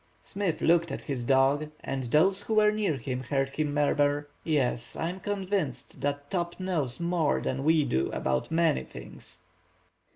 Smith looked at his dog, and those who were near him heard him murmur:— "Yes, I am convinced that Top knows more than we do about many things!"